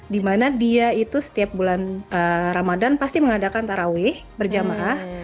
dimana dia itu setiap bulan ramadan pasti mengadakan tarawih berjamaah